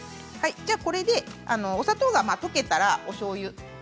これでお砂糖が溶けたらおしょうゆ。